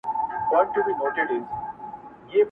شهیدان دي چي ښخیږي بیرغ ژاړي په جنډۍ کي!!